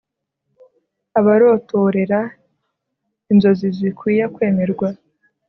abarotorera inzozi zikwiye kwemerwa